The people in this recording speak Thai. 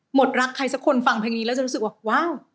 หมดรักใครสักคนฟังเพลงนี้แล้วจะรู้สึกว่าว้าว